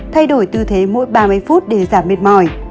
thay đổi tư thế mỗi ba mươi phút để giảm mệt mỏi